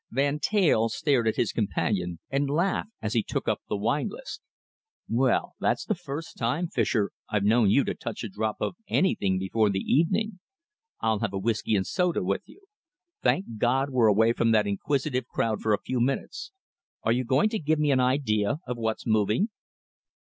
Van Teyl stared at his companion and laughed as he took up the wine list. "Well, that's the first time, Fischer, I've known you to touch a drop of anything before the evening! I'll have a whisky and soda with you. Thank God we're away from that inquisitive crowd for a few minutes! Are you going to give me an idea of what's moving?"